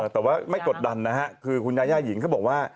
แต่ว่าไม่กดดันนะฮะคือคุณยาย่าหญิงเขาบอกว่า